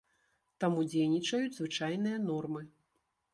Таму дзейнічаюць звычайныя нормы.